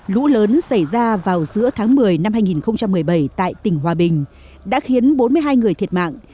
lũ lớn xảy ra vào giữa tháng một mươi năm hai nghìn một mươi bảy tại tỉnh hòa bình đã khiến bốn mươi hai người thiệt mạng